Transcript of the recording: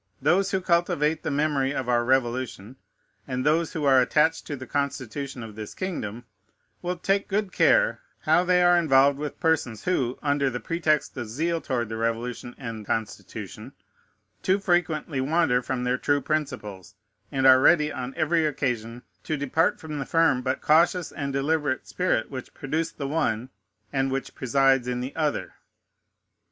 Those who cultivate the memory of our Revolution, and those who are attached to the Constitution of this kingdom, will take good care how they are involved with persons who, under the pretext of zeal towards the Revolution and Constitution, too frequently wander from their true principles, and are ready on every occasion to depart from the firm, but cautious and deliberate, spirit which produced the one and which presides in the other.